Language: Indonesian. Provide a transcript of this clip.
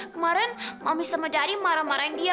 kemaren mami sama dari marah marahin dia